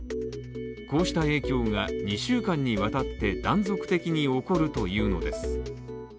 こうした影響が２週間にわたって断続的に起こるというのです。